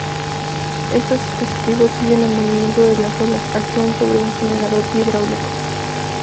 Estos dispositivos siguen el movimiento de las olas que actúan sobre un generador hidráulico.